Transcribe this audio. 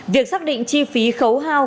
việc xác định chi phí khấu hao